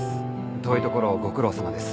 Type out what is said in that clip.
遠いところをご苦労さまです。